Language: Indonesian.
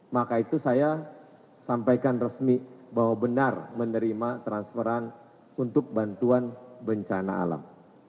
maka itu saya sampaikan resmi bahwa benar menerima transferan untuk bantuan bencana alam